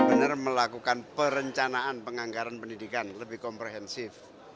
sebenarnya melakukan perencanaan penganggaran pendidikan lebih komprehensif